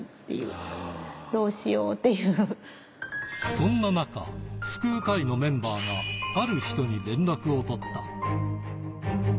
そんな中、救う会のメンバーが、ある人に連絡を取った。